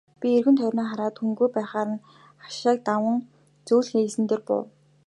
Би эргэн тойрноо хараад хүнгүй байхаар нь хашааг даван зөөлхөн элсэн дээр буув.